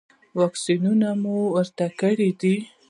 واکسینونه مو ورته کړي دي؟